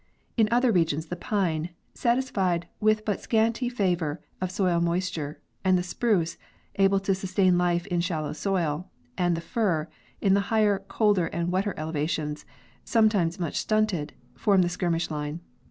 In other regions the pine, satisfied with but scanty favor of soil moisture, and the spruce, able to sustain life in shallow soil, and the fir, in the higher, colder and wetter elevations, sometimes much stunted, form the skirmish line.